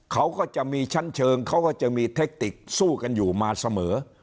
เขาก็จะมีชั้นเชิงเขาก็จะมีเทคติกสู้กันอยู่มาเสมอ